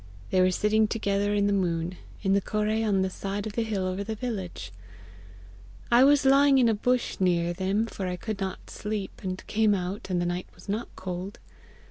They were sitting together in the moon in the correi on the side of the hill over the village. I was lying in a bush near them, for I could not sleep, and came out, and the night was not cold.